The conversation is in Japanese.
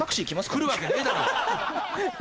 来るわけねえだろ！